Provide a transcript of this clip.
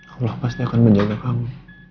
allah pasti akan menjaga kami